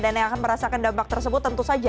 dan yang akan merasakan dampak tersebut tentu saja